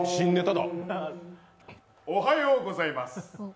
おはようございます。